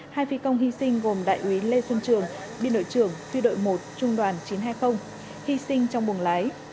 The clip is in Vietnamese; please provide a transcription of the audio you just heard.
hai phi công hy sinh gồm đại úy lê xuân trường biên đội trưởng phi đội một trung đoàn chín trăm hai mươi hy sinh trong buồng lái